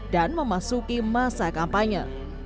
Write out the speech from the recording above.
dan memasuki masa kampanye